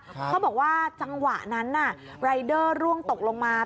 เขาบอกว่าจังหวะนั้นน่ะรายเดอร์ร่วงตกลงมา